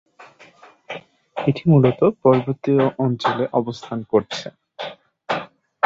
এটি মূলত পর্বতীয় অঞ্চলে অবস্থান করছে।